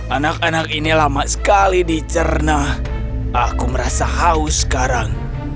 anak anak ini lama sekali dicerna aku merasa haus sekarang